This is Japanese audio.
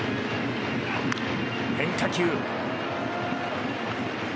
変化球。